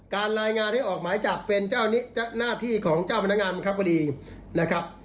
การรายงานให้ออกหมายจับเป็นหน้าที่ของเจ้าพนักงานครับดีนะครับ